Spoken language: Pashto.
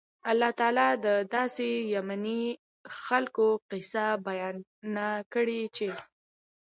الله تعالی د داسي يَمَني خلکو قيصه بیانه کړي چې